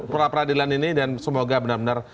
pra peradilan ini dan semoga benar benar